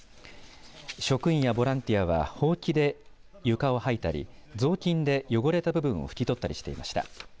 職員やボランティアはほうきで床を掃いたり雑巾で汚れた部分を拭き取ったりしていました。